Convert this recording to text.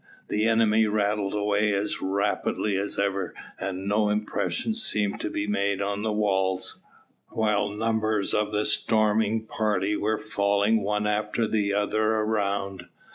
The enemy rattled away as rapidly as ever, and no impression seemed to be made on the walls, while numbers of the storming party were falling one after the other around.